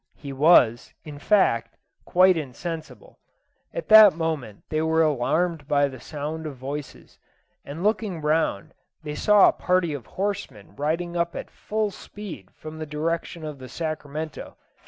He was, in fact, quite insensible. At that moment they were alarmed by the sound of voices, and looking round they saw a party of horsemen riding up at full speed from the direction of the Sacramento.